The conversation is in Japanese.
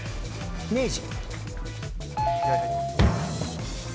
明治。